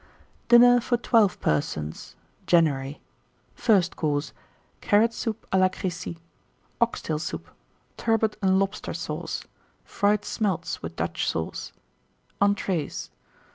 1888. DINNER FOR 12 PERSONS (January). FIRST COURSE. Carrot Soup à la Crécy. Oxtail Soup. Turbot and Lobster Sauce. Fried Smelts, with Dutch Sauce. ENTREES.